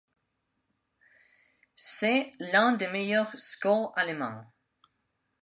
C'est l'un des meilleurs score allemand.